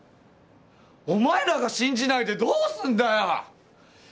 お前らが信じないでどうすんだよ